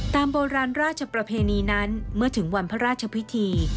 ตามโบราณราชประเพณีนั้นเมื่อถึงวันพระราชพิธี